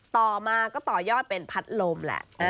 ต่อมาก็ต่อยอดเป็นพัดลมแหละ